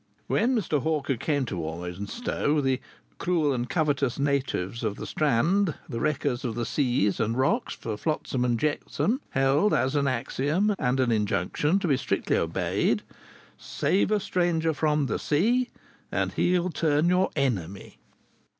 "When Mr. Hawker came to Morwenstow, 'the cruel and covetous natives of the strand, the wreckers of the seas and rocks for flotsam and jetsam,' held as an axiom and an injunction to be strictly obeyed: "'Save a stranger from the sea, And he'll turn your enemy!'